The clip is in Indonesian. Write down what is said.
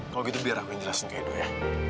kalau gitu biar aku yang jelasin ke edo ya